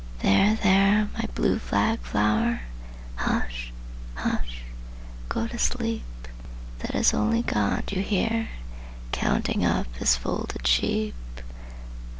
"There there, my blue flag flower; Hush hush go to sleep; That is only God you hear, Counting up His folded sheep!